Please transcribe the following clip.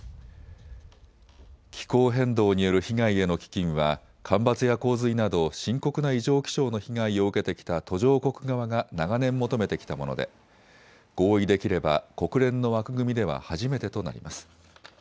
気候変動による被害への基金は干ばつや洪水など深刻な異常気象の被害を受けてきた途上国側が長年、求めてきたもので合意できれば国連の枠組みでは初めてとなります。